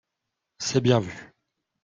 C’est bien vu